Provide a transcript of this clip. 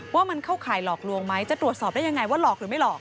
ว่ามันเข้าข่ายหลอกลวงไหมจะตรวจสอบได้ยังไงว่าหลอกหรือไม่หลอก